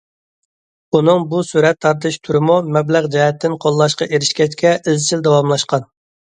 ئۇنىڭ بۇ سۈرەت تارتىش تۈرىمۇ مەبلەغ جەھەتتىن قوللاشقا ئېرىشكەچكە ئىزچىل داۋاملاشقان.